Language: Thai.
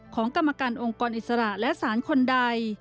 กรรมการองค์กรอิสระและสารคนใด